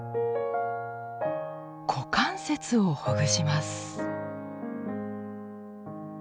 股関節をほぐします。